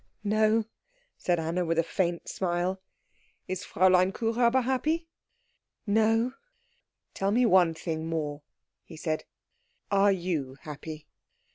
"No," said Anna, with a faint smile. "Is Fräulein Kuhräuber happy?" "No." "Tell me one thing more," he said; "are you happy?"